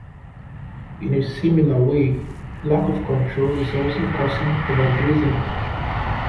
In a similar way lack of control is also causing over-grazing.